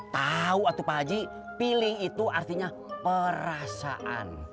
tau atu paji piling itu artinya perasaan